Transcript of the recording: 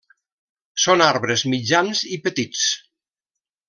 Són arbres mitjans i petits.